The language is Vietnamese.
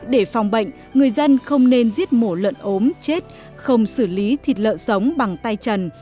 để phòng bệnh người dân không nên giết mổ lợn ốm chết không xử lý thịt lợn sống bằng tay chân